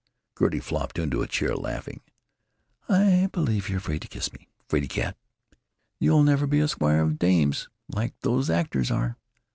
Gertie flopped into a chair, laughing: "I believe you're afraid to kiss me! 'Fraid cat! You'll never be a squire of dames, like those actors are!